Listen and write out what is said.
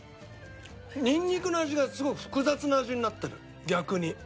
ニンニクの味がすごい複雑な味になってる逆に。